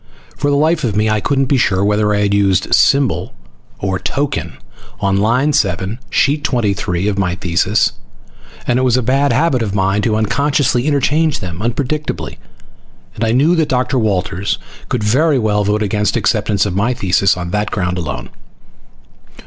For the life of me I couldn't be sure whether I had used symbol or token on line 7, sheet 23, of my thesis, and it was a bad habit of mine to unconsciously interchange them unpredictably, and I knew that Dr. Walters could very well vote against acceptance of my thesis on that ground alone.